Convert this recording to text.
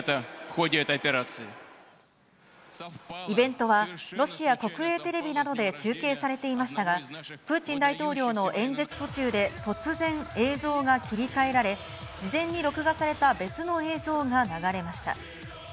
イベントはロシア国営テレビなどで中継されていましたが、プーチン大統領の演説途中で突然、映像が切り替えられ、事前に録画された別の映像が流れました。